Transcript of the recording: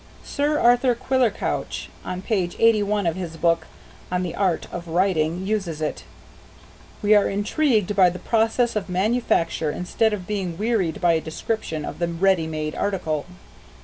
Sir Arthur Quillercouch on page 81 of his book "On the Art of Writing" uses it: "We are intrigued by the process of manufacture instead of being wearied by a description of the ready made article."